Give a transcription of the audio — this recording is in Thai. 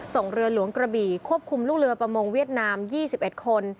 ส่งเรือหลวงกระบี่ควบคุมลูกเรือประมงเวียดนาม๒๑คน